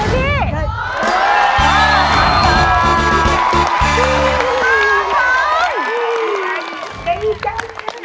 บีครับครับ